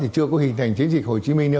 chưa có hình thành chiến dịch